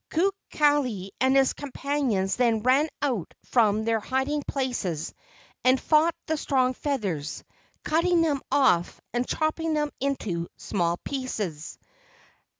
Kukali and his companions then ran out from their hiding places and fought the strong feathers, cutting them off and chopping them into small pieces.